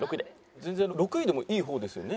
全然６位でもいい方ですよね？